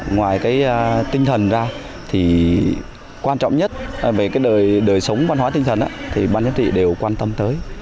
ngoài tinh thần ra quan trọng nhất về đời sống văn hóa tinh thần ban giám thị đều quan tâm tới